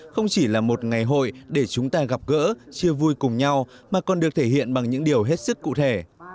không chỉ là một ngày hội để chúng ta gặp gỡ chia vui cùng nhau mà còn được thể hiện bằng những điều hết sức cụ thể